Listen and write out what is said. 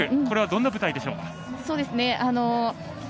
これは、どんな舞台でしょうか。